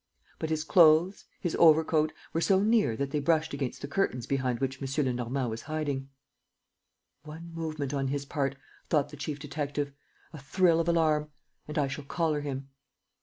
But his clothes, his overcoat, were so near that they brushed against the curtains behind which M. Lenormand was hiding. "One movement on his part," thought the chief detective, "a thrill of alarm; and I shall collar him."